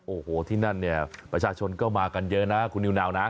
โอ้โหที่นั่นเนี่ยประชาชนก็มากันเยอะนะคุณนิวนาวนะ